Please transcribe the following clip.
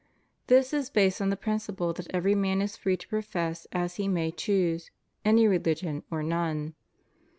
This is based on the principle that every man is free to profess as he may choose any religion or none.